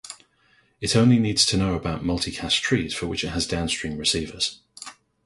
It only needs to know about multicast trees for which it has downstream receivers.